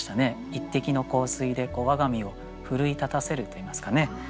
一滴の香水で我が身を奮い立たせるといいますかね。